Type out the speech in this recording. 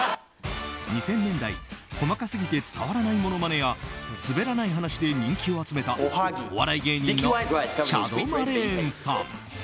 ２０００年代、「細かすぎて伝わらないモノマネ」や「すべらない話」で人気を集めたお笑い芸人のチャド・マレーンさん。